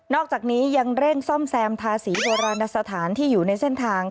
อกจากนี้ยังเร่งซ่อมแซมทาสีโบราณสถานที่อยู่ในเส้นทาง